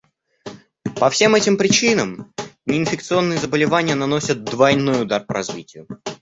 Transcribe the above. По всем этим причинам неинфекционные заболевания наносят двойной удар по развитию.